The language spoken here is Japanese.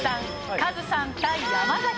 カズさん対山崎さん。